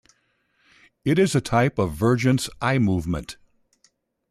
It is a type of vergence eye movement.